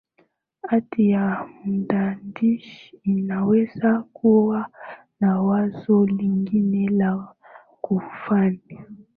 hati ya mandishi inaweza kuwa na wazo lingine la kufanya